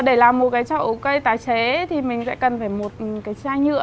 để làm một cái trậu cây tái chế thì mình sẽ cần phải một cái chai nhựa